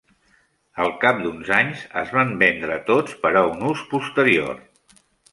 Al cap d'uns anys es van vendre tots per a un ús posterior.